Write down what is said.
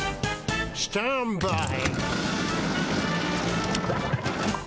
スタンバイ！